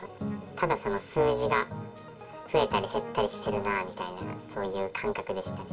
ただその数字が増えたり減ったりしてるなぁみたいな、そういう感覚でしたね。